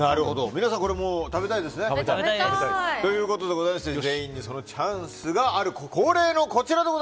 皆さん、これ食べたいですよね。ということで全員にそのチャンスがある恒例のこちら。